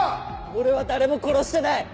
俺は誰も殺してない！